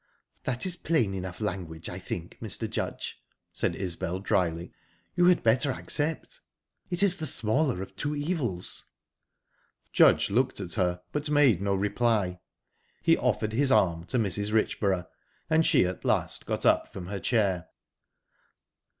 "That is plain enough language, I think, Mr. Judge," said Isbel, dryly. "You had better accept. It is the smaller of two evils." Judge looked at her, but made no reply. He offered his arm to Mrs. Richborough, and she at last got up from her chair.